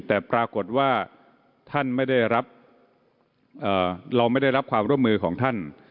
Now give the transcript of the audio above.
แต่ปรากฏว่าเราไม่ได้รับความร่วมมือของท่าน